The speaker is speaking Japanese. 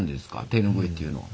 手ぬぐいっていうのは。